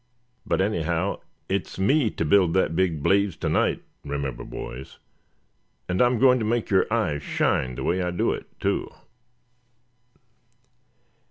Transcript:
But anyhow, it's me to build that big blaze to night, remember, boys, and I'm going to make your eyes shine, the way I do it, too."